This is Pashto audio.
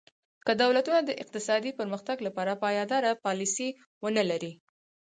که دولتونه د اقتصادي پرمختګ لپاره پایداره پالیسي ونه لري.